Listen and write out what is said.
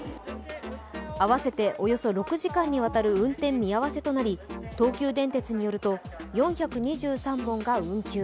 合わせておよそ６時間にわたる運転見合わせとなり東急電鉄によると４２３本が運休。